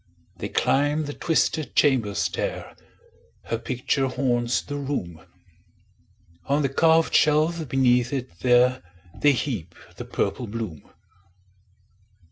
They climb the twisted chamber stair; Her picture haunts the room; On the carved shelf beneath it there, They heap the purple bloom.